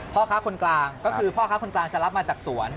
พ่อค้าคนกลางก็คือพ่อค้าคนกลางจะรับมาจากสวน